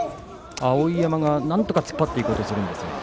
碧山がなんとか突っ張っていこうとするんですが。